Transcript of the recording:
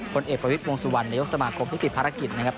คนเอกประวิทธิ์วงศ์สุวรรณนายกสมาคมภูมิติภารกิจ